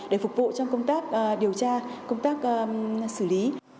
để phục vụ trong công tác điều tra công tác xử lý